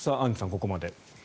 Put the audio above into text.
ここまでで。